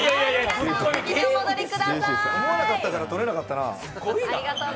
思わなかったから取れなかったなあ。